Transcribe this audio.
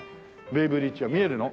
ベイブリッジは見えるの？